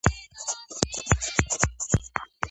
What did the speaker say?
შტაბ-ბინა მდებარეობდა თბილისში.